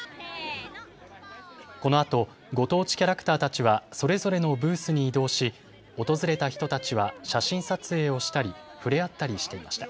このあとご当地キャラクターたちはそれぞれのブースに移動し訪れた人たちは写真撮影をしたり触れ合ったりしていました。